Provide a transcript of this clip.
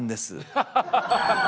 ハハハハ！